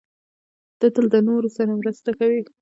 ته تل د نورو سره مرسته کوې.